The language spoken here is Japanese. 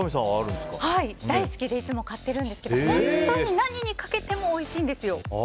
大好きでいつも買ってるんですけど本当に何にかけてもおいしいんですよ。